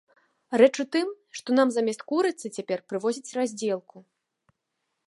Рэч у тым, што нам замест курыцы цяпер прывозяць раздзелку.